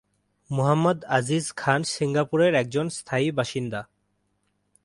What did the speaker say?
মুহাম্মদ আজিজ খান সিঙ্গাপুরের একজন স্থায়ী বাসিন্দা।